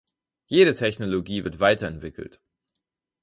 Jede Technologie wird weiterentwickelt.